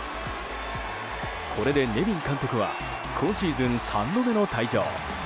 これでネビン監督は今シーズン３度目の退場。